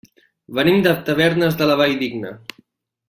Venim de Tavernes de la Valldigna.